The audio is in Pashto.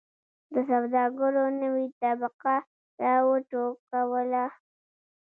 د سوداګرو نوې طبقه را و ټوکوله.